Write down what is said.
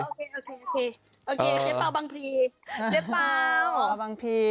โอเคใช้เป้าบังพี